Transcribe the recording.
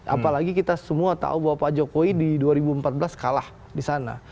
apalagi kita semua tahu bahwa pak jokowi di dua ribu empat belas kalah di sana